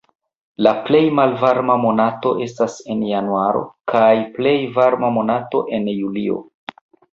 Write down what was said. La plej malvarma monato estas en januaro kaj plej varma monato en julio.